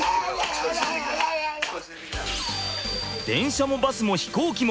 電車もバスも飛行機も。